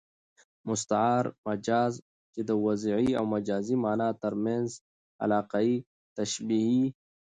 مستعار مجاز، چي د وضعي او مجازي مانا تر منځ ئې علاقه تشبېه يي.